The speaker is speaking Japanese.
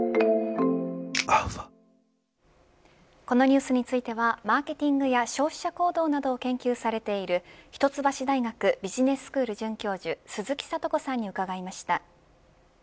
このニュースについてはマーケティングや消費者行動などを研究している一橋大学ビジネススクール准教授鈴木智子さんに伺いました。